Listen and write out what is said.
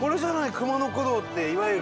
熊野古道っていわゆる。